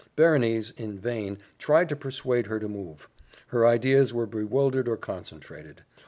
Berenice, in vain, tried to persuade her to move. Her ideas were bewildered or concentrated.